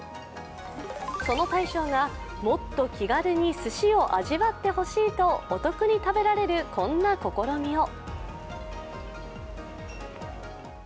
その大将が、もっと気軽にすしを味わってほしいとお得に食べられるこんな試みを。